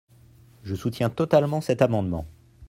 Je soutiens totalement cet amendement.